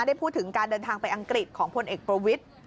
ได้พูดถึงการเดินทางไปอังกฤษของพลเอกประวิทธิ์